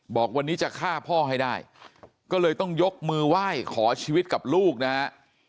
บอกวันนี้จะฆ่าพ่อให้ได้ก็เลยต้องยกมือไหว้ขอชีวิตกับลูกนะฮะ